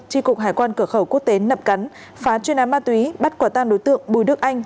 tri cục hải quan cửa khẩu quốc tế nậm cắn phá chuyên án ma túy bắt quả tang đối tượng bùi đức anh